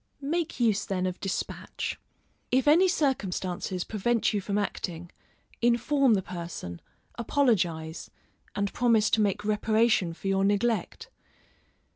Make use then of despatch. If any circumstances prevent you from acting, inform the person, apologise, and promise to make reparation for your neglect.